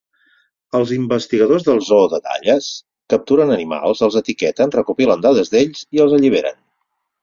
Els investigadors del zoo de Dallas capturen animals, els etiqueten, recopilen dades d'ells i els alliberen.